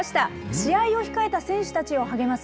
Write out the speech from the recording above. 試合を控えた選手たちを励ます